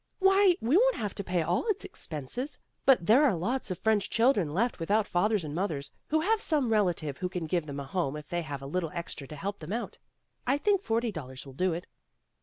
"Why, we won't have to pay all its expenses. But there are lots of French children left with out fathers and mothers, who have some rela tive who can give them a home if they have a little extra to help them out. I think forty dollars will do it."